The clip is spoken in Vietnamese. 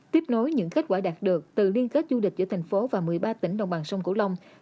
tiếp nối những kết quả đạt được từ liên kết du lịch giữa thành phố và một mươi ba tỉnh đồng bằng sông cửu long